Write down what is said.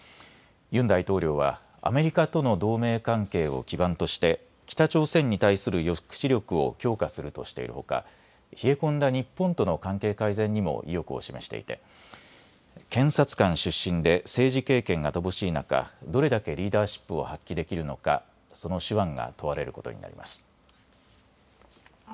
ユン大統領はアメリカとの同盟関係を基盤として北朝鮮に対する抑止力を強化するとしているほか冷え込んだ日本との関係改善にも意欲を示していて検察官出身で政治経験が乏しい中どれだけリーダーシップを発揮できるのか、その手腕が問われることになります。